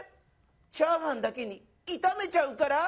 チャーハンだけにいためちゃうから。